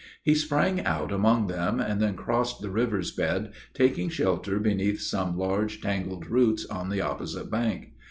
He sprang out upon them, and then crossed the river's bed, taking shelter beneath some large tangled roots on the opposite bank.